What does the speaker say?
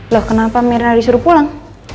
loh kenapa mirna disuruh pulang